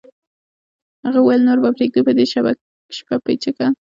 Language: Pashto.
هغه وویل نوره به پرېږدو په دې شپه پیچکه